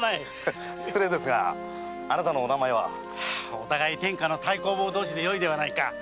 お互い天下の太公望同士でよいではないか。